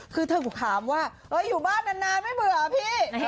คือเธอถามว่าอยู่บ้านนานไม่เบื่อพี่